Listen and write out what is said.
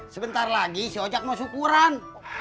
sebentar lagi si ojat mau syukuran